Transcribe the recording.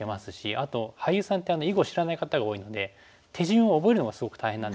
あと俳優さんって囲碁を知らない方が多いので手順を覚えるのがすごく大変なんですよね。